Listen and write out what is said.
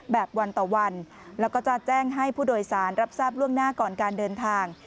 แบบวันต่อวันแล้วก็จะแจ้งให้ผู้โดยสารรับทราบล่วงหน้าก่อนการเดินทาง